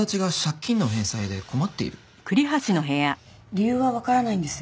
理由はわからないんです。